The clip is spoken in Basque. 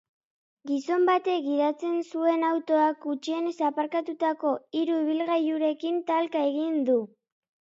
Gizon batek gidatzen zuen autoak gutxienez aparkatutako hiru ibilgailurekin talka egin du.